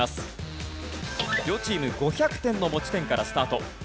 両チーム５００点の持ち点からスタート。